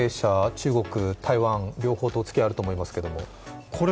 中国、台湾両方ともつきあいがあると思いますけども。